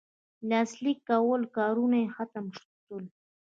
لاسلیک کولو کارونه یې ختم سول.